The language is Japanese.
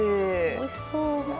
おいしそう。